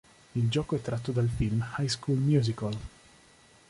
Il gioco è tratto dal film High School Musical.